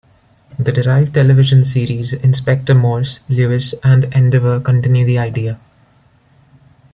The derived television series, "Inspector Morse", "Lewis" and "Endeavour", continue the idea.